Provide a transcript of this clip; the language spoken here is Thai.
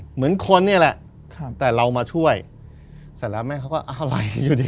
เหมือนคนเนี่ยแหละครับแต่เรามาช่วยเสร็จแล้วแม่เขาก็อะไรอยู่ดี